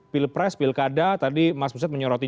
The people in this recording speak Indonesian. pilpres pilkada tadi mas buset menyoroti